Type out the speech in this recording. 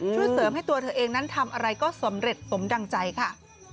ช่วยเสริมให้ตัวเธอเองนั้นทำอะไรก็สำเร็จสมดังใจค่ะ